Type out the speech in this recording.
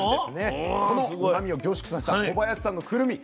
このうまみを凝縮させた小林さんのくるみ